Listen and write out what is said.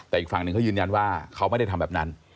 แต่อีกฝั่งหนึ่งเขายืนยันว่าเขาไม่ได้ทำแบบนั้น